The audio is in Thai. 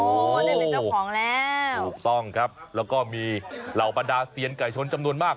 โอ้โหได้เป็นเจ้าของแล้วถูกต้องครับแล้วก็มีเหล่าบรรดาเซียนไก่ชนจำนวนมาก